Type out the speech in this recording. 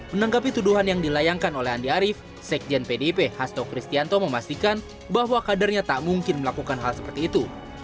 menanggapi tuduhan yang dilayangkan oleh andi arief sekjen pdip hasto kristianto memastikan bahwa kadernya tak mungkin melakukan hal seperti itu